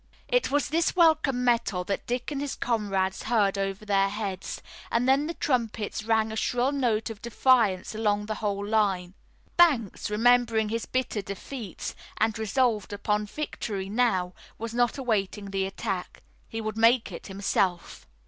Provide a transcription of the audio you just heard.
It was this welcome metal that Dick and his comrades heard over their heads, and then the trumpets rang a shrill note of defiance along the whole line. Banks, remembering his bitter defeats and resolved upon victory now, was not awaiting the attack. He would make it himself.